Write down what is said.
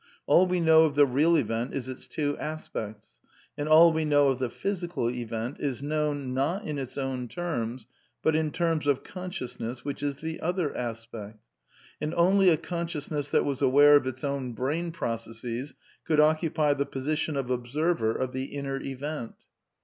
All we know of the real event is its two aspects ; and all we know of the physical event is known, not in its own terms, but in terms of consciousness which is the other aspect; and only a con sciousness that was aware of its own brain processes could occupy the position of observer of the inner event.